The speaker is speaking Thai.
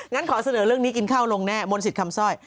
งั้นขอเสนอเรื่องนี้กินข้าวลงแน่มนศิษย์คำสร้อย